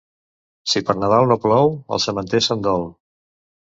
Si per Nadal no plou, el sementer se'n dol.